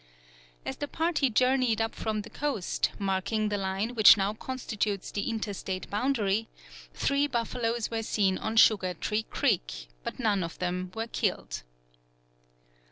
As the party journeyed up from the coast, marking the line which now constitutes the interstate boundary, three buffaloes were seen on Sugar Tree Creek, but none of them were killed.